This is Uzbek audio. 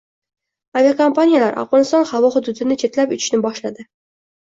Aviakompaniyalar Afg‘oniston havo hududini chetlab uchishni boshladi